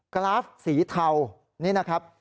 กราฟสีเทานี่นะครับ